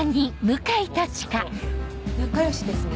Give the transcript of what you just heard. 仲良しですね。